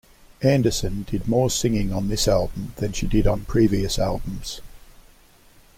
Anderson did more singing on this album than she did on previous albums.